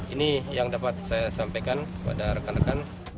ini yang dapat saya sampaikan kepada rekan rekan